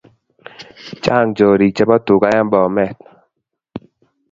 Chang chorik chepo tuka en Bomet